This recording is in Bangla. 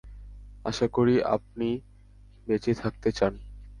আশা করি আপনি বেঁচে থাকতে চান?